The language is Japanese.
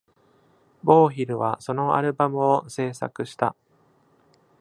ボーヒルはそのアルバムを制作した。